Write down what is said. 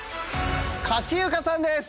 かしゆかさんです！